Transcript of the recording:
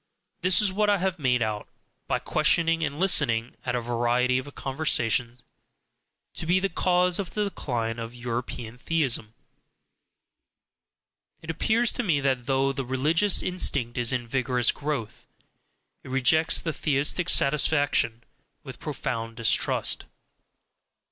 This is what I have made out (by questioning and listening at a variety of conversations) to be the cause of the decline of European theism; it appears to me that though the religious instinct is in vigorous growth, it rejects the theistic satisfaction with profound distrust.